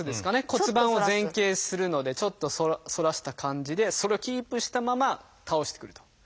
骨盤を前傾するのでちょっと反らした感じでそれをキープしたまま倒してくると。